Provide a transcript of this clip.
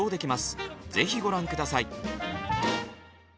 ぜひご覧下さい。